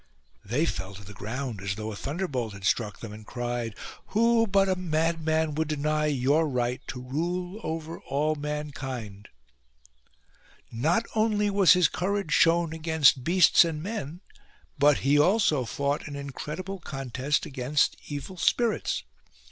" They fell to the ground, as though a thunderbolt had struck them, and cried :" Who but a madman would deny your right to rule over all mankind ?" 141 PIPPIN ENCOUNTERS THE DEVIL Not only was his courage shown against beasts and men ; but he also fought an incredible contest against evil spirits.